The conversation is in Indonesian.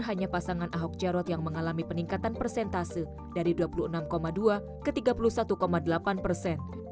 hanya pasangan ahok jarot yang mengalami peningkatan persentase dari dua puluh enam dua ke tiga puluh satu delapan persen